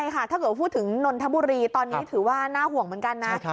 ถ้าเกิดพูดถึงนนทบุรีตอนนี้ถือว่าน่าห่วงเหมือนกันนะ